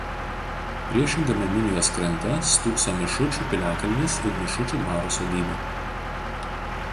Priešingame Minijos krante stūkso Mišučių piliakalnis ir Mišučių dvaro sodyba.